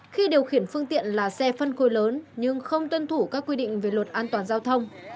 khi điều khiển phương tiện là xe phân khối lớn nhưng không tuân thủ các quy định về luật an toàn giao thông